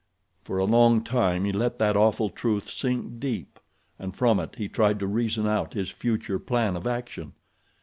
For a long time he let that awful truth sink deep, and from it he tried to reason out his future plan of action.